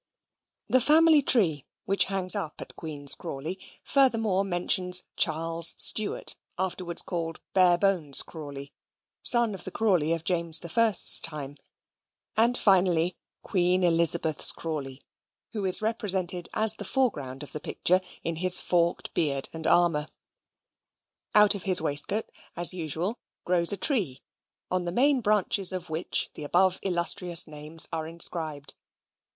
The family tree (which hangs up at Queen's Crawley) furthermore mentions Charles Stuart, afterwards called Barebones Crawley, son of the Crawley of James the First's time; and finally, Queen Elizabeth's Crawley, who is represented as the foreground of the picture in his forked beard and armour. Out of his waistcoat, as usual, grows a tree, on the main branches of which the above illustrious names are inscribed.